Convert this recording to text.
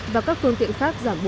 và các phương tiện khác giảm bốn mươi